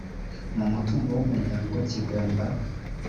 mu mutungo w umuryango kigomba